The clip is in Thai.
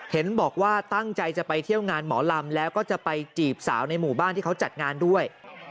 เห็นบอกว่าตั้งใจจะไปเที่ยวงานหมอลำแล้วก็จะไปจีบสาวในหมู่บ้านที่เขาจัดงานด้วย